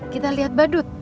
kita lihat badut